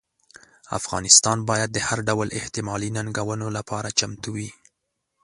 افغانستان باید د هر ډول احتمالي ننګونو لپاره چمتو وي.